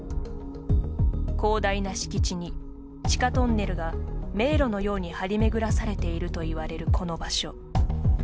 広大な敷地に、地下トンネルが迷路のように張り巡らされているといわれる、この場所。